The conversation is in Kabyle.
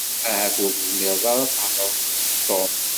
Ahat ur tezmireḍ ad thedreḍ d Tom.